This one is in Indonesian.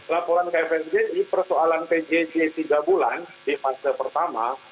laporan kfsg persoalan pjj tiga bulan di fase pertama